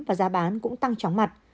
và giá bán cũng tăng chóng mặt